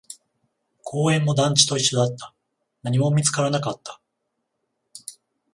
公園も団地と一緒だった、何も見つからなかった